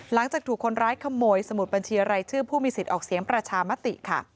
หลังจากถูกคนร้ายขโมยสมุดบัญชีรายชื่อผู้มีสิทธิ์ออกเสียงประชามติค่ะ